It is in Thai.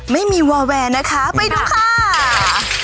ไม่มีวาแวร์นะคะไปดูค่ะ